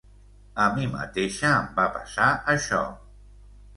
A mi mateixa em va passar això.